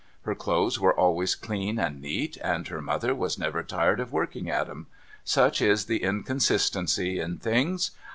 Her ( lothcs were always clean and neat, and her mother was never tired of working at 'em. Such is the inconsistency in things.